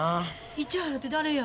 市原て誰や？